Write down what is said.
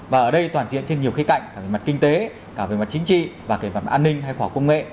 và ở đây toàn diện trên nhiều khía cạnh cả về mặt kinh tế cả về mặt chính trị và về mặt an ninh hay khoa học công nghệ